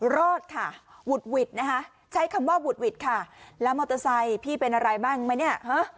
รอดค่ะหวุดหวิดนะคะใช้คำว่าหวุดหวิดค่ะแล้วมอเตอร์ไซค์พี่เป็นอะไรบ้างไหมเนี่ย